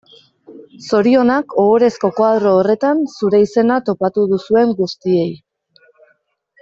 Zorionak ohorezko koadro horretan zure izena topatu duzuen guztiei.